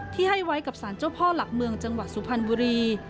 ที่ให้ไว้กับสารเจ้าพ่อหลักเมืองจังหวัดสุพรรณบุรี